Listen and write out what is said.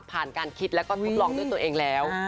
การคิดแล้วก็ทดลองด้วยตัวเองแล้ว